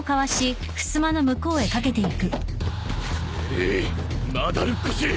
ええいまだるっこしい。